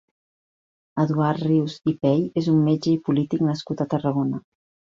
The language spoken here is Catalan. Eduard Rius i Pey és un metge i polític nascut a Tarragona.